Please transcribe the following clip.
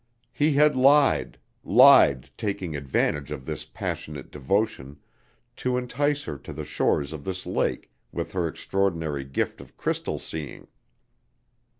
He had lied lied, taking advantage of this passionate devotion to entice her to the shores of this lake with her extraordinary gift of crystal seeing.